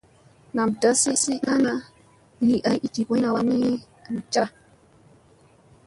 Nam dazi ana li azi i gi poyra wa ni, nam cazya.